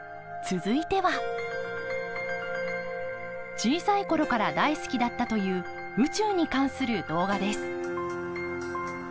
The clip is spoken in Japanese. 小さい頃から大好きだったという宇宙に関する動画です。